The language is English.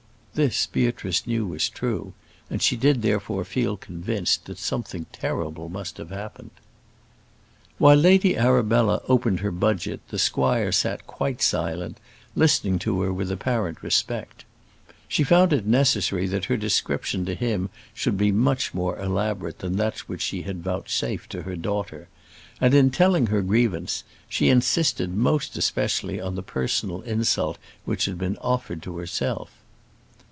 This Beatrice knew was true, and she did therefore feel convinced that something terrible must have happened. While Lady Arabella opened her budget the squire sat quite silent, listening to her with apparent respect. She found it necessary that her description to him should be much more elaborate than that which she had vouchsafed to her daughter, and, in telling her grievance, she insisted most especially on the personal insult which had been offered to herself.